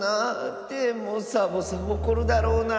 でもサボさんおこるだろうなあ。